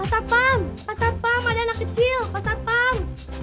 pasar pam pasar pam ada anak kecil pasar pam